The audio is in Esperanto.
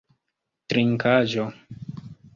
trinkaĵo